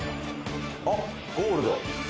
あっ、ゴールド。